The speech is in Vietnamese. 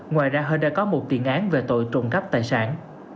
ngoài ra hơ đã có một tiền án về tội trộm cắp tài sản